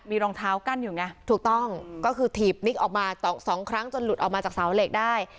มีรองเท้ากั้นอยู่ไงถูกต้องก็คือถีบนิกออกมาสองครั้งจนหลุดออกมาจากเสาเหล็กได้